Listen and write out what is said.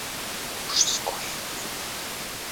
Мужское имя